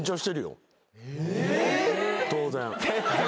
当然。